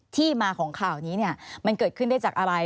ที่มาของข่าวนี้มันเกิดขึ้นได้จากอะไร